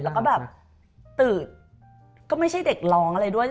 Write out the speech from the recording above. แล้วก็แบบตื่นก็ไม่ใช่เด็กร้องอะไรด้วย